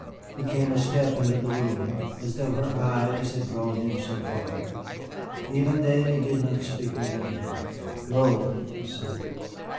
He came a step into the room, as though her eyes had drawn him so far. Even then he did not speak her name. "Go," he said.